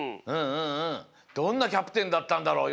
どんなキャプテンだったんだろう？